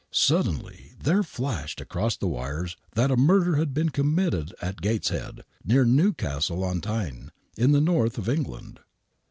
Suddenly there flashed across the wires that a murder had been committed at Gateshead, near Newcastle on Tyne, in the North of England.